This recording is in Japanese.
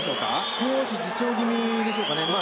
少し自重気味ですかね。